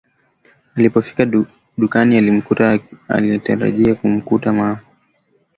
Alipofika dukani alimkuta alietarajia kumkuta mama wa Kinyarwanda mmiliki wa lile duka